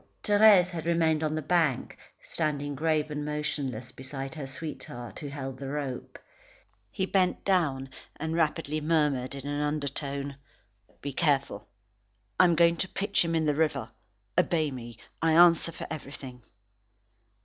Thérèse had remained on the bank, standing grave and motionless beside her sweetheart, who held the rope. He bent down, and rapidly murmured in an undertone: "Be careful. I am going to pitch him in the river. Obey me. I answer for everything."